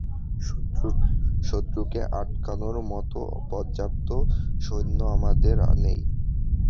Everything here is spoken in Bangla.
শত্রুকে আটকানোর মতো পর্যাপ্ত সৈন্য আমাদের নেই।